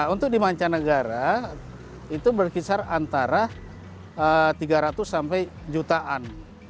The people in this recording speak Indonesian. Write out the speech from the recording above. untuk di mancanegara itu berkisar antara tiga ratus sampai jutaan